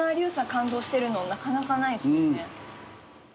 感動してるのなかなかないですもんね。